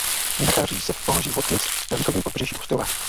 Nachází se v pohoří Watkins na východním pobřeží ostrova.